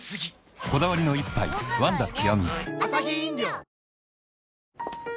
こだわりの一杯「ワンダ極」